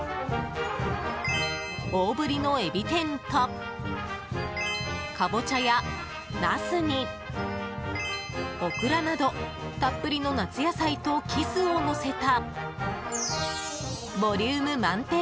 大ぶりのエビ天とカボチャやナスにオクラなど、たっぷりの夏野菜とキスをのせたボリューム満点！